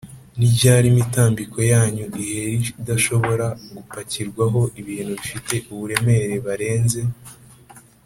ni ryari imitambiko yanyuma ihera idashobora gupakirwaho ibintu bifite uburemere barenze T